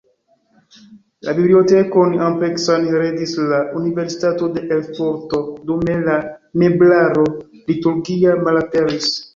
La bibliotekon ampleksan heredis la Universitato de Erfurto, dume la meblaro liturgia malaperis.